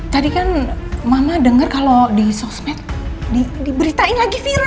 tadi kan mama dengar kalau di sosmed diberitain lagi viral